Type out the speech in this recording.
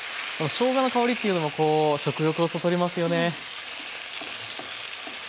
しょうがの香りっていうのもこう食欲をそそりますよね。